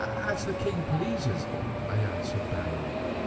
"As the king pleases," I answered bowing.